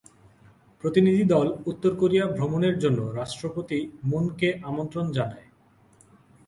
প্রতিনিধিদল উত্তর কোরিয়া ভ্রমনের জন্য রাষ্ট্রপতি মুন কে আমন্ত্রণ জানায়।